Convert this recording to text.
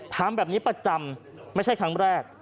ทำแบบนี้ประจำไม่ใช่ครั้งแรก